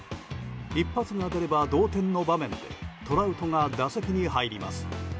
一発が出れば同点の場面でトラウトが打席に入ります。